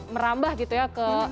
merambah gitu ya